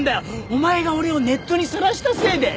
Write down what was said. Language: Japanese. お前が俺をネットに晒したせいで！